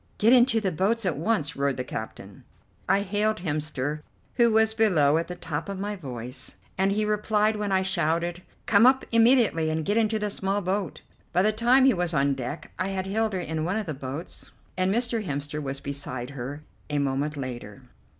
"Get into the boats at once," roared the captain. I hailed Hemster, who was below, at the top of my voice, and he replied when I shouted: "Come up immediately and get into the small boat." By the time he was on deck I had Hilda in one of the boats, and Mr. Hemster was beside her a moment later.